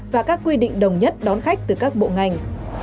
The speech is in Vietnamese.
và các quy định đồng nhất đón khách từ các bộ ngành